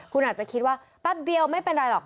คุณอาจจะคิดว่าแป๊บเดียวไม่เป็นไรหรอก